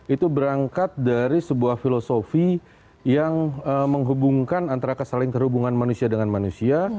itu berangkat dari sebuah filosofi yang menghubungkan antara kesaling terhubungan manusia dengan manusia